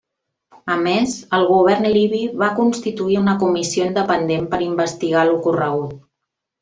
A més, el govern libi va constituir una comissió independent per investigar l'ocorregut.